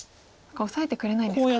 オサえてくれないんですか。